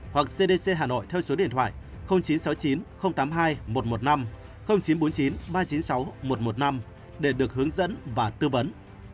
hoặc cdc hà nội theo số điện thoại chín trăm sáu mươi chín tám mươi hai một trăm một mươi năm chín trăm bốn mươi chín ba trăm chín mươi sáu một trăm một mươi năm để được hướng dẫn và tư vấn